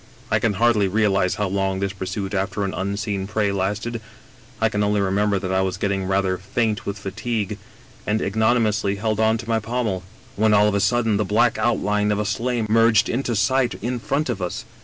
I can hardly realize how long this pursuit after an unseen prey lasted ; I can only remember that I was getting rather faint with fatigue, and ignominiously held on to my pommel, when all of a sudden the black outline of a sleigh merged into sight in front of us.